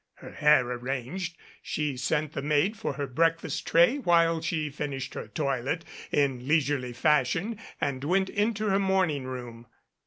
Her hair arranged, she sent the maid for her breakfast tray while she finished her toilet in leisurely fashion and went into her morning room.